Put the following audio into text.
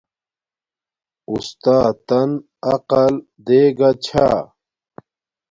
اُساتن عقل دیگا چھا